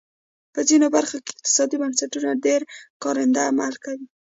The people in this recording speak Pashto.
په ځینو برخو کې اقتصادي بنسټونه ډېر کارنده عمل کوي.